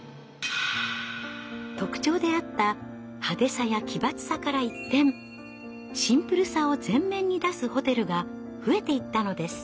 特徴であった派手さや奇抜さから一転シンプルさを全面に出すホテルが増えていったのです。